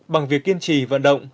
bằng việc kiên trì vận động